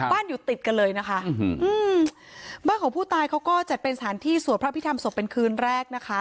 อยู่ติดกันเลยนะคะบ้านของผู้ตายเขาก็จัดเป็นสถานที่สวดพระพิธรรมศพเป็นคืนแรกนะคะ